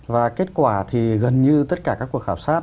và kết quả thì gần như tất cả các cuộc khảo sát